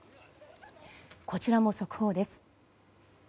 こちらも速報です。